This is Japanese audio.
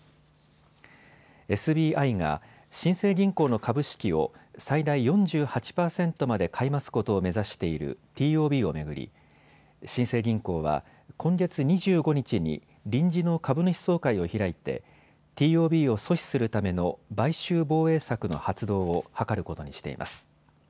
ＳＢＩが新生銀行の株式を最大４８％まで買い増すことを目指しているＴＯＢを巡り、新生銀行は今月２５日に臨時の株主総会を開いてＴＯＢを阻止するための買収防衛策の発動を諮ることにしています。